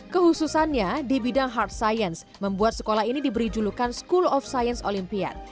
kehususannya di bidang hard science membuat sekolah ini diberi julukan school of science olympian